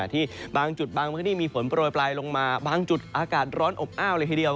ที่บางจุดบางพื้นที่มีฝนโปรยปลายลงมาบางจุดอากาศร้อนอบอ้าวเลยทีเดียว